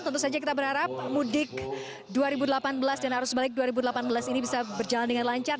tentu saja kita berharap mudik dua ribu delapan belas dan arus balik dua ribu delapan belas ini bisa berjalan dengan lancar